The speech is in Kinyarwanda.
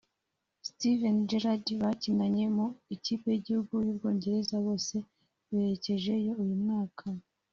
Steven Gerrard bakinanye mu ikipe y’igihugu y’u Bwongereza bose berekejeyo uyu mwaka